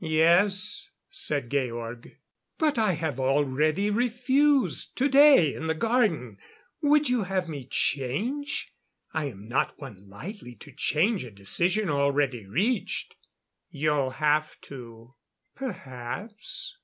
"Yes," said Georg. "But I have already refused today in the garden. Would you have me change? I am not one lightly to change a decision already reached." "You'll have to." "Perhaps.